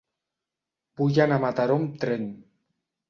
Vull anar a Mataró amb tren.